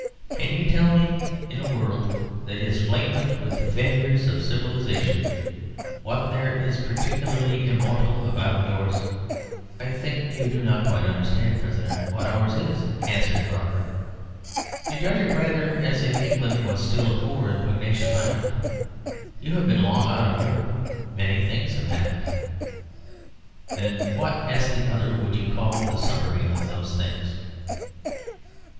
Can you tell me, in a world that is flagrant with the failures of civilisation, what there is particularly immortal about yours?" "I think you do not quite understand, President, what ours is," answered Barker. "You judge it rather as if England was still a poor and pugnacious island; you have been long out of Europe. Many things have happened." "And what," asked the other, "would you call the summary of those things?"